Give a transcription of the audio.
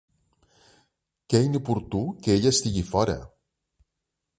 Què inoportú que ella estigui fora!